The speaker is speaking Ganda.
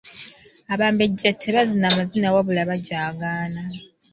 Abambejja tebazina mazina wabula bajaagaana.